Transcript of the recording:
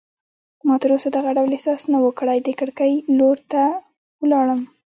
ما تراوسه دغه ډول احساس نه و کړی، د کړکۍ لور ته ولاړم.